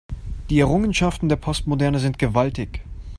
Die Errungenschaften der Postmoderne sind gewaltig.